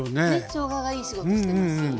しょうががいい仕事してますよね。